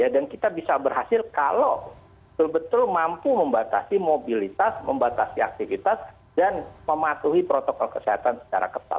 dan kita bisa berhasil kalau betul betul mampu membatasi mobilitas membatasi aktivitas dan mematuhi protokol kesehatan secara ketat